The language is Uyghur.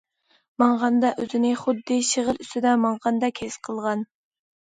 ماڭغاندا ئۆزىنى خۇددى شېغىل ئۈستىدە ماڭغاندەك ھېس قىلغان.